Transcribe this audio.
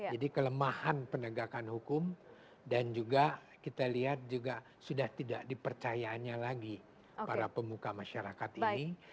jadi kelemahan penegakan hukum dan juga kita lihat juga sudah tidak dipercayaannya lagi para pemuka masyarakat ini